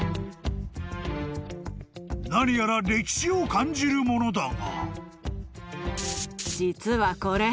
［何やら歴史を感じるものだが］